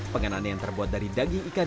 pengenannya yang terbuat dari daging ikan